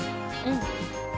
うん。